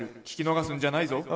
聞き逃すんじゃないぞ」。